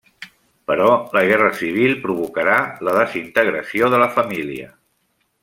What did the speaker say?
Però la Guerra Civil provocarà la desintegració de la família.